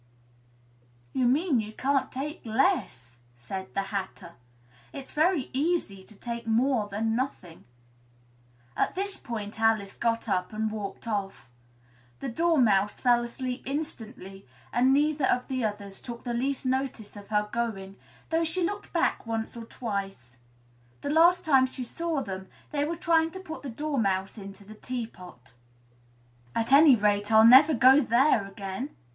"You mean you can't take less," said the Hatter; "it's very easy to take more than nothing." At this, Alice got up and walked off. The Dormouse fell asleep instantly and neither of the others took the least notice of her going, though she looked back once or twice; the last time she saw them, they were trying to put the Dormouse into the tea pot. [Illustration: The Trial of the Knave of Hearts.] "At any rate, I'll never go there again!"